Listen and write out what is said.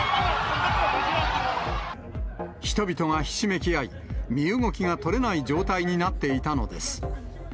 人々がひしめき合い、身動きが取れない状態になっていたのです。